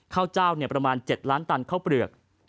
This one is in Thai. ข้าวเจ้าประมาณ๗ล้านตันข้าวเปลือก